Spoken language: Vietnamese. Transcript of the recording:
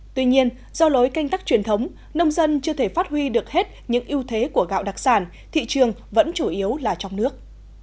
tuy nhiên do lối canh tắc truyền thống nông dân chưa thể phát huy được hết những ưu thế của gạo đặc sản thị trường vẫn chủ yếu là trong nước